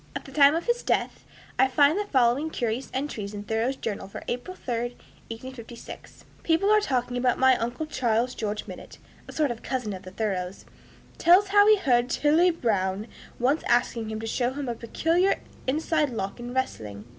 At the time of his death, I find the following curious entries, in Thoreau's journal for April 3, 1856: "People are talking about my uncle Charles. George Minott [a sort of cousin of the Thoreaus] tells how he heard Tilly Brown once asking him to show him a peculiar inside lock in wrestling.